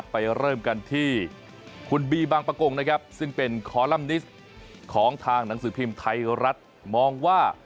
ไปเริ่มกันที่คุณบีบางปะกง